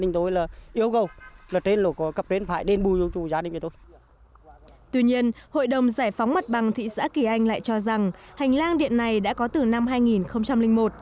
tuy nhiên hội đồng giải phóng mặt bằng thị xã kỳ anh lại cho rằng hành lang điện này đã có từ năm hai nghìn một